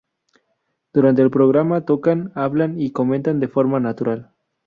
Durante el programa tocan, hablan y comen de forma natural.